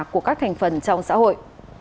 của các thành phần trong xã hội